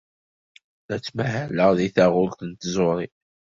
La ttmahaleɣ deg taɣult n tẓuri.